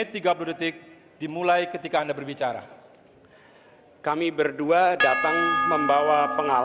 yang diberikan oleh